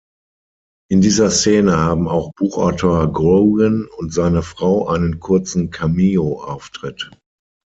In dieser Szene haben auch Buchautor Grogan und seine Frau einen kurzen Cameo-Auftritt.